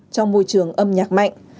trong môi trường âm nhạc mạnh